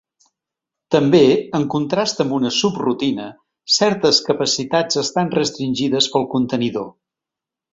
També, en contrast amb una subrutina, certes capacitats estan restringides pel contenidor.